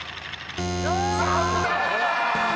［残念！］